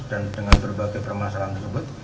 dan dengan berbagai permasalahan tersebut